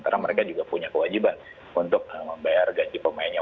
karena mereka juga punya kewajiban untuk membayar gaji pemainnya